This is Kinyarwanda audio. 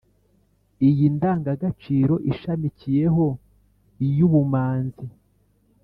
iyi ndanga gaciro ishamikiyeho iy’ubumanzi,